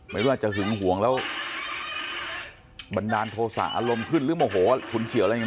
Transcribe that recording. หมายถึงว่าจะถึงห่วงแล้วบันดาลโทสะอารมณ์ขึ้นรึมโอ้โหถุนเฉียวอะไรยัง